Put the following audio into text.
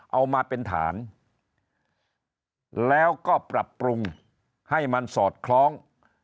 เอามาเป็นฐานแล้วก็ปรับปรุงให้มันสอดคล้อง